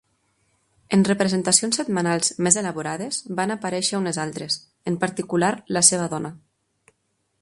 En representacions setmanals més elaborades van aparèixer unes altres, en particular la seva dona.